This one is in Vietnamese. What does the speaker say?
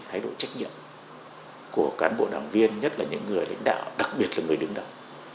thái độ trách nhiệm của cán bộ đảng viên nhất là những người lãnh đạo đặc biệt là người đứng đầu